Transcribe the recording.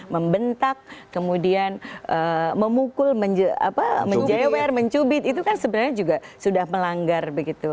membentak kemudian memukul menjewer mencubit itu kan sebenarnya juga sudah melanggar begitu